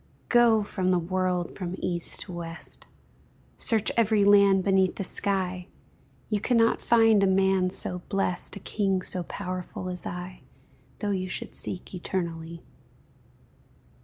Go from the world from East to West, Search every land beneath the sky, You cannot find a man so blest, A king so powerful as I, Though you should seek eternally.